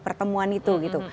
pertemuan itu gitu